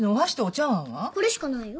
これしかないよ。